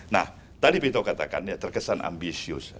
nah tadi pito katakannya terkesan ambisius